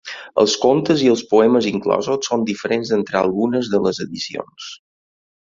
Els contes i els poemes inclosos són diferents entre algunes de les edicions.